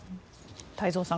太蔵さん